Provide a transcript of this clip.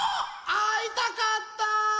あいたかった！